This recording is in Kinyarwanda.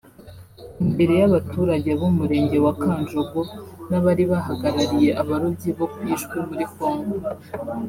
Imbere y’abaturage b’Umurenge wa Kanjongo n’abari bahagarariye abarobyi bo ku Ijwi muri Congo